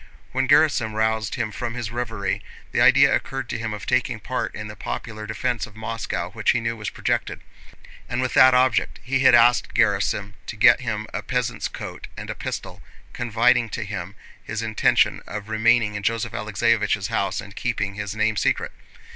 When Gerásim roused him from his reverie the idea occurred to him of taking part in the popular defense of Moscow which he knew was projected. And with that object he had asked Gerásim to get him a peasant's coat and a pistol, confiding to him his intentions of remaining in Joseph Alexéevich's house and keeping his name secret.